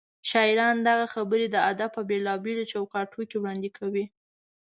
شاعران دغه خبرې د ادب په بېلابېلو چوکاټونو کې وړاندې کوي.